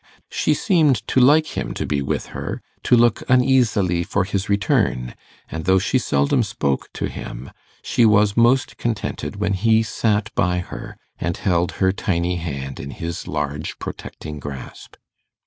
She seemed to like him to be with her, to look uneasily for his return; and though she seldom spoke to him, she was most contented when he sat by her, and held her tiny hand in his large protecting grasp.